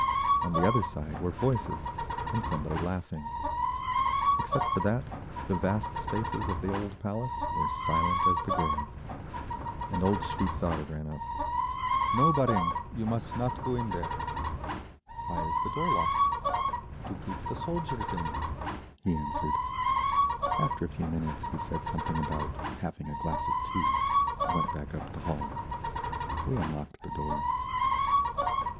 On the other side were voices, and somebody laughing. Except for that the vast spaces of the old Palace were silent as the grave. An old shveitzar ran up. "No, barin, you must not go in there." "Why is the door locked?" "To keep the soldiers in," he answered. After a few minutes he said something about having a glass of tea and went back up the hall. We unlocked the door.